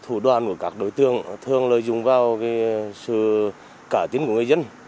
thủ đoàn của các đối tượng thường lợi dụng vào sự cải tiến của người dân